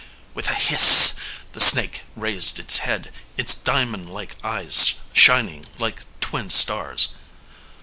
With a hiss the snake raised its head, its diamond like eyes shining like twin stars.